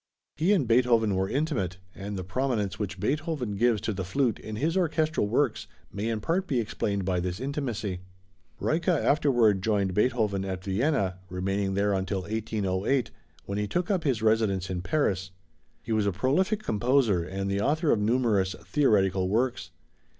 He and Beethoven were intimate, and the prominence which Beethoven gives to the flute in his orchestral works may in part be explained by this intimacy. Reicha afterward joined Beethoven at Vienna, remaining there until 1808, when he took up his residence in Paris. He was a prolific composer and the author of numerous theoretical works.